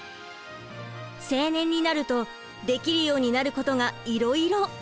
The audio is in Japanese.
青年になるとできるようになることがいろいろ！